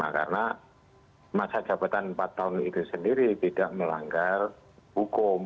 karena masa jabatan empat tahun itu sendiri tidak melanggar hukum